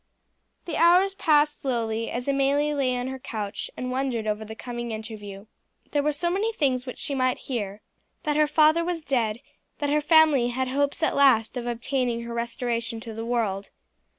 The hours passed slowly as Amelie lay on her couch and wondered over the coming interview. There were so many things which she might hear that her father was dead; that her family had hopes at last of obtaining her restoration to the world.